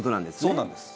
そうなんです。